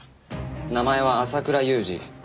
名前は朝倉佑二。